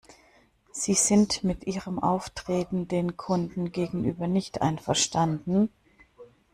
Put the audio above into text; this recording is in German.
Sie sind mit ihrem Auftreten den Kunden gegenüber nicht einverstanden?